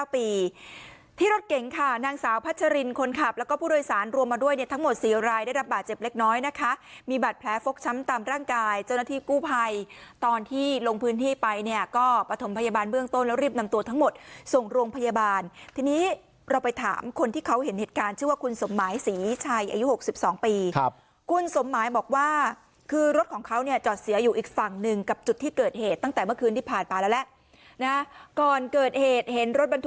๙ปีที่รถเก่งค่ะนางสาวพัชรินคนขับแล้วก็ผู้โดยสารรวมมาด้วยเนี่ยทั้งหมดศรีรายได้รับบาดเจ็บเล็กน้อยนะคะมีบัตรแพ้ฟกช้ำตามร่างกายเจ้าหน้าที่กู้ภัยตอนที่ลงพื้นที่ไปเนี่ยก็ประถมพยาบาลเบื้องต้นแล้วรีบนำตัวทั้งหมดส่งโรงพยาบาลทีนี้เราไปถามคนที่เขาเห็นเหตุการณ์ชื่อว่าคุณสมหมาย